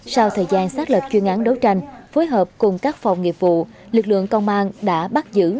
sau thời gian xác lập chuyên án đấu tranh phối hợp cùng các phòng nghiệp vụ lực lượng công an đã bắt giữ